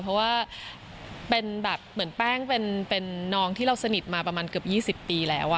เพราะว่าเป็นแบบเหมือนแป้งเป็นน้องที่เราสนิทมาประมาณเกือบ๒๐ปีแล้ว